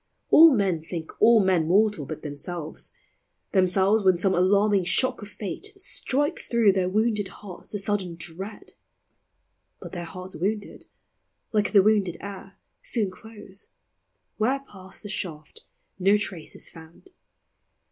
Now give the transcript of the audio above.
All men think all men mortal but themselves ; Themselves, when some alarming shock of fate Strikes through their wounded hearts the sudden dread ; But their hearts wounded, like the wounded air, Soon close ; where passed the shaft, no trace is found.